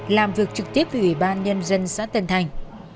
làm việc trực tiếp với ủy ban nhân dân xã tân thành